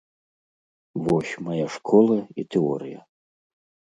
Вось мая школа і тэорыя.